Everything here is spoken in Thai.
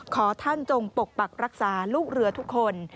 ขอท่านจงปกปักรักษาลูกเรือทุกคน